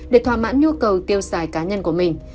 để thỏa mãn nhu cầu tiêu xài cá nhân của mình